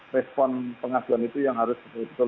respon pengajuan itu yang harus